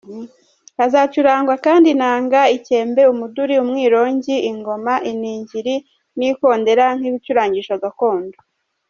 Hazacurangwa kandi Inanga, Ikembe, Umuduri, Umwirongi, Ingoma, Iningiri n’Ikondera nk’ibicurangisho gakondo.